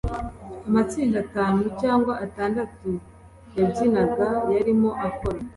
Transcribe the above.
amatsinda atanu cyangwa atandatu yabyinaga yarimo akora